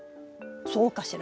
そうかしら。